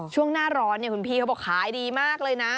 ช่วงหน้าร้อนเนี่ยคุณพี่เขาบอกขายดีมากเลยนะ